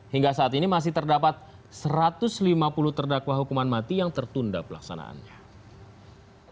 hingga saat ini masih terdapat satu ratus lima puluh terdakwa hukuman mati yang tertunda pelaksanaannya